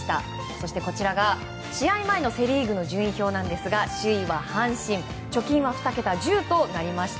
そしてこちらが試合前のセ・リーグの順位表ですが首位は阪神貯金は２桁、１０となりました。